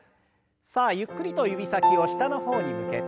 さあゆっくりと指先を下の方に向けて。